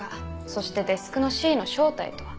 そしてデスクの「Ｃ」の正体とは？